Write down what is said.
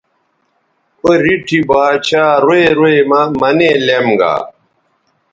او ریٹھی با ڇھا روئ روئ مہ منے لیم گا